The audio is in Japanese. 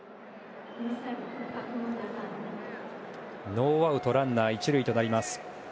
ノーアウトランナー、１塁となります。